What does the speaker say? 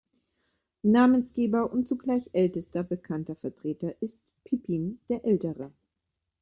Namensgeber und zugleich ältester bekannter Vertreter ist Pippin der Ältere.